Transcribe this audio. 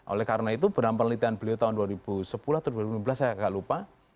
oleh karena itu dalam penelitian beliau tahun dua ribu sepuluh atau dua ribu lima belas saya agak lupa